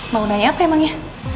mau nanya apa emang ya